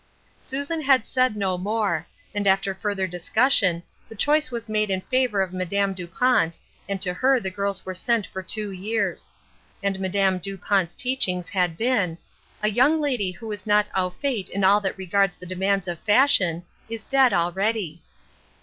Susan had said no more, and after further dis cussion, the choice was made in favor of Madame Dupont, and to her the girls were sent for two years. And Madame Dupont's teachings had been :" A young lady who is not au fait in all that regards the demands of fashion, is dead already."